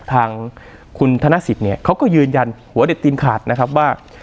ทางคุณธนสิทธิ์เนี่ยเขาก็ยืนยันหัวเด็ดตีนขาดนะครับว่า